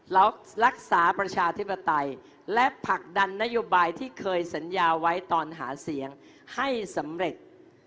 แล้วรักษาประชาธิปไตยและผลักดันนโยบายที่เคยสัญญาไว้ตอนหาเสียงให้สำเร็จ